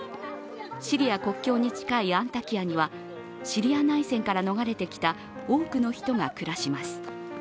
シリア国境に近いアンタキヤにはシリア内戦から逃れてきた多くの人が暮らします。